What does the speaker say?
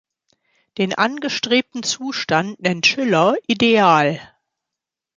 Den angestrebten Zustand nennt Schiller „Ideal“.